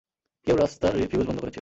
কেউ রাস্তার ফিউজ বন্ধ করেছিল।